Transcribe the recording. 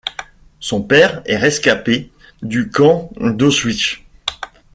Son père est rescapé du Camp d’Auschwitz.